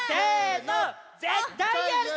ぜったいやるぞ！